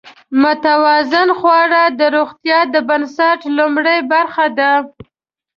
متوازن خواړه د روغتیا د بنسټ لومړۍ برخه ده.